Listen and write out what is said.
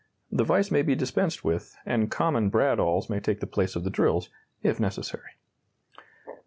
The vise may be dispensed with, and common brad awls may take the place of the drills, if necessary.